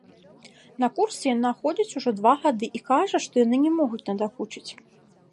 На курсы яна ходзіць ужо два гады і кажа, што яны не могуць надакучыць.